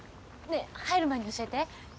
ねぇ入る前に教えて。